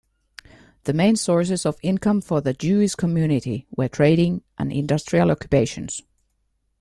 The main sources of income for the Jewish community were trading and industrial occupations.